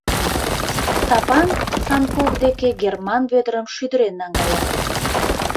Стапан Санков деке Герман Вӧдырым шӱдырен наҥгая.